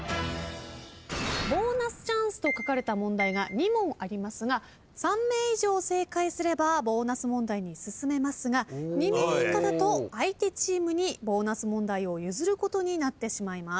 ボーナスチャンスと書かれた問題が２問ありますが３名以上正解すればボーナス問題に進めますが２名以下だと相手チームにボーナス問題を譲ることになってしまいます。